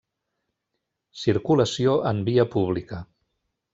Circulació en via pública.